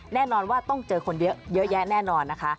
แน่นอนว่าต้องเจอคนเยอะแยะแน่นอนนะคะ